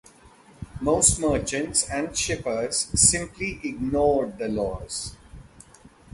Most merchants and shippers simply ignored the laws.